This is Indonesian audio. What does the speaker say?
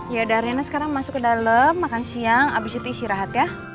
yaudah rehna sekarang masuk ke dalam makan siang abis itu isi rahat ya